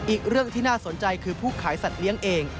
อีกเรื่องที่น่าสนใจคือผู้ขายสัตว์เลี้ยงเอง